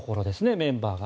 メンバーが。